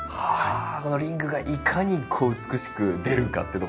このリングがいかに美しく出るかってとこなんですかね。